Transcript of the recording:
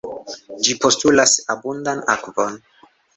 Ĝi postulas abundan akvon.